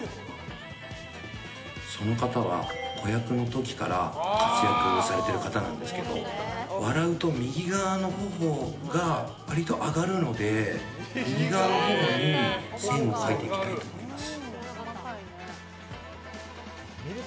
その方は子役の時から活躍されてる方なんですけど笑うと右側の頬が割と上がるので右側の頬に線を描いていきたいと思います。